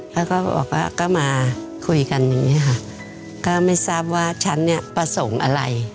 แล้วก็บอกว่าก็มาคุยกันอย่างนี้ค่ะก็ไม่ทราบว่าฉันเนี่ยประสงค์อะไร